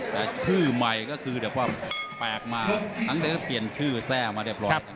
แต่ชื่อใหม่ก็คือแบบว่าแปลกมาหลังจากนั้นก็เปลี่ยนชื่อแทร่มาเรียบร้อยครับ